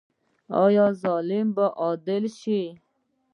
آیا ظلم به عدل شي؟